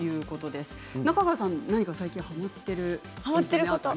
中川さん、何か最近はまっているものは？